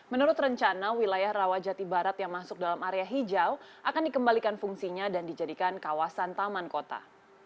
menurut rencana wilayah rawajati barat yang masuk dalam area hijau akan dikembalikan fungsinya dan dijadikan kawasan taman kota